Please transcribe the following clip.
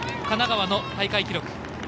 神奈川の大会記録。